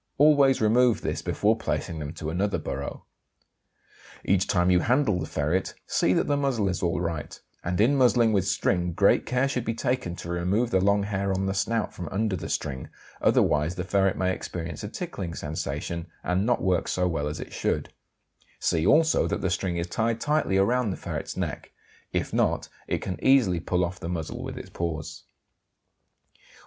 Always remove this before placing them to another burrow. Each time you handle the ferret see that the muzzle is alright, and in muzzling with string great care should be taken to remove the long hair on the snout from under the string; otherwise the ferret may experience a tickling sensation, and not work so well as it should; see also that the string is tied tightly around the ferret's neck; if not it can easily pull off the muzzle with its paws.